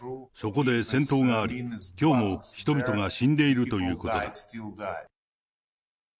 そこで戦闘があり、きょうも人々が死んでいるということだ。